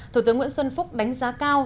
thủ tướng nguyễn xuân phúc đánh giá cao